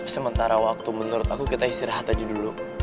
sementara waktu menurut aku kita istirahat aja dulu